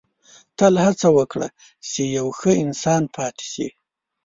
• تل هڅه وکړه چې یو ښه انسان پاتې شې.